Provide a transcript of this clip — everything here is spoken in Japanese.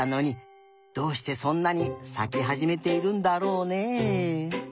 どうしてそんなにさきはじめているんだろうね。